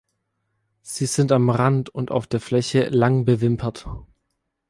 Sie sind am Rand und auf der Fläche lang bewimpert.